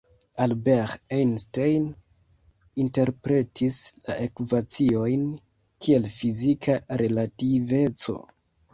Albert Einstein interpretis la ekvaciojn kiel fizika relativeco.